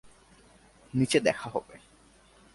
নিচে দেখা হবে।